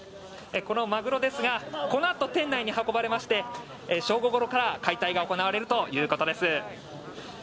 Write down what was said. このマグロですがこのあと、店内に運ばれまして正午ごろから解体が行われるということです。